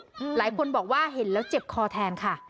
หลายคนบอกว่าเห็นแล้วเจ็บคอแทนค่ะ